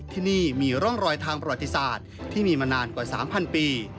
ที่นี่มีร่องรอยทางประวัติศาสตร์ที่มีมานานกว่า๓๐๐ปี